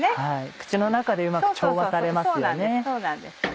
口の中でうまく調和されますよね。